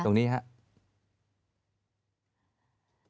ตรงนี้ครับ